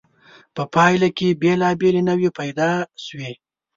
په پایله کې بېلابېلې نوعې پیدا شوې.